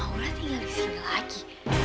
naura tinggal disini lagi